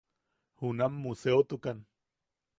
Junam museotukan.